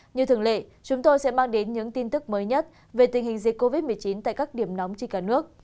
như thường lệ chúng tôi sẽ mang đến những tin tức mới nhất về tình hình dịch covid một mươi chín tại các điểm nóng trên cả nước